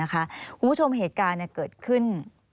คุณผู้ชมเหตุการณ์เกิดขึ้น